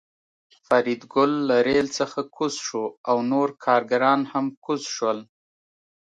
فریدګل له ریل څخه کوز شو او نور کارګران هم کوز شول